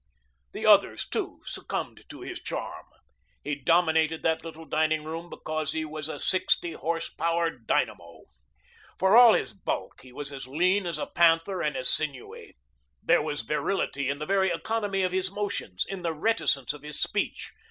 The others too succumbed to his charm. He dominated that little dining room because he was a sixty horse power dynamo. For all his bulk he was as lean as a panther and as sinewy. There was virility in the very economy of his motions, in the reticence of his speech.